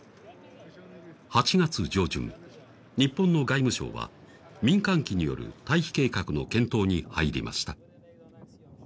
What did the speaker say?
８月上旬、日本の外務省は民間機による退避計画の検討に入りました。